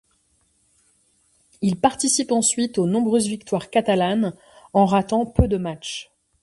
Il participe ensuite aux nombreuses victoires catalanes, en ratant peu de matches.